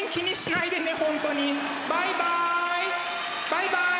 バイバイ！